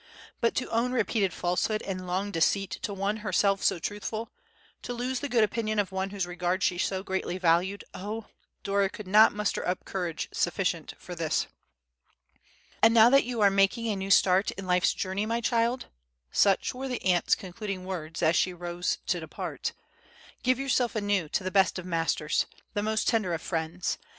But to own repeated falsehood and long deceit to one herself so truthful, to lose the good opinion of one whose regard she so greatly valued, oh! Dora could not muster up courage sufficient for this! "And now that you are making a new start in life's journey, my child," such were the aunt's concluding words as she rose to depart, "give yourself anew to the best of Masters, the most tender of Friends.